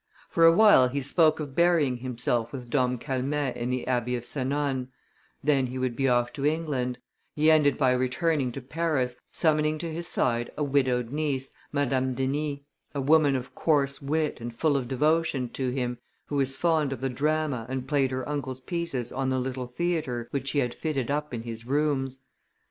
For a while he spoke of burying himself with Dom Calmet in the abbey of Senones; then he would be off to England; he ended by returning to Paris, summoning to his side a widowed niece, Madame Denis, a woman of coarse wit and full of devotion to him, who was fond of the drama and played her uncle's pieces on the little theatre which he had fitted up in his rooms.